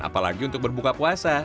apalagi untuk berbuka puasa